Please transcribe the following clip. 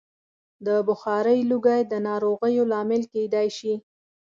د بخارۍ لوګی د ناروغیو لامل کېدای شي.